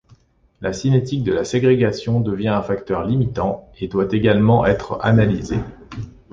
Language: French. La cinétique de la ségrégation devient un facteur limitant et doit également être analysée.